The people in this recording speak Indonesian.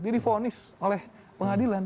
dia difonis oleh pengadilan